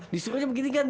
disuruhnya begini kan